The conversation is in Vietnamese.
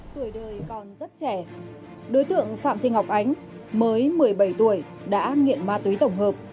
tuổi đời còn rất trẻ đối tượng phạm thị ngọc ánh mới một mươi bảy tuổi đã nghiện ma túy tổng hợp